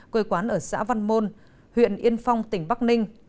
quê quán ở xã văn môn huyện yên phong tỉnh bắc ninh